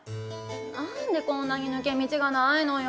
何でこんなに抜け道がないのよ！